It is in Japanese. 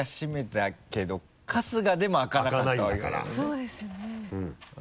そうですよね。